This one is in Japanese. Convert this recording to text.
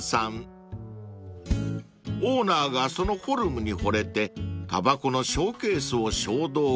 ［オーナーがそのフォルムにほれてたばこのショーケースを衝動買い］